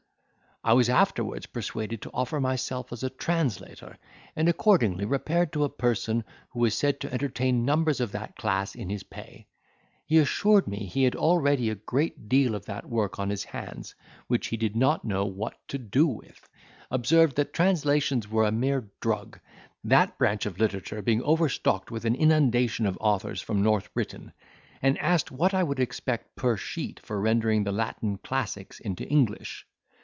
"I was afterwards persuaded to offer myself as a translator, and accordingly repaired to a person who was said to entertain numbers of that class in his pay; he assured me, he had already a great deal of that work on his hands, which he did not know what to do with; observed that translations were a mere drug, that branch of literature being overstocked with an inundation of authors from North Britain; and asked what I would expect per sheet for rendering the Latin classics into English.